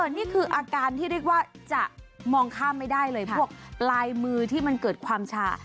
นี่คืออาการที่เรียกว่าจะมองข้ามไม่ได้เลยพวกปลายมือที่มันเกิดความชา